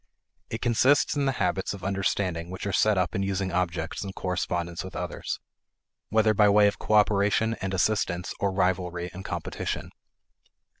It consists in the habits of understanding, which are set up in using objects in correspondence with others, whether by way of cooperation and assistance or rivalry and competition.